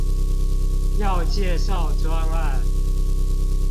要介紹專案